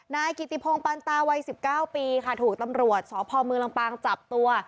นายกิติพงศ์ปันตาวัย๑๙ปีค่ะถูกตำรวจสพเมืองลำปางจับตัว